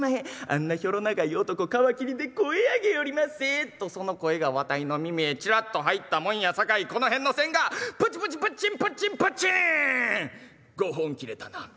あんなひょろ長い男皮切りで声上げよりまっせ』とその声がわたいの耳へちらっと入ったもんやさかいこの辺の線がプチプチプッチンプッチンプッチン５本切れたな。